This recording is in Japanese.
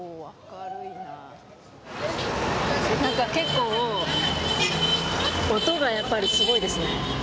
何か結構音がやっぱりすごいですね。